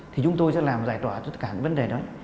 thì chúng tôi sẽ làm giải tỏa tất cả vấn đề đó